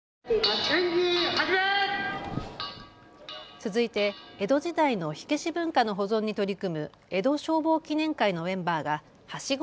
続いて江戸時代の火消し文化の保存に取り組む江戸消防記念会のメンバーがはしご